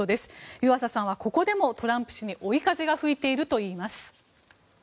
湯浅さんはここでもトランプ氏に追い風が吹いているといいます。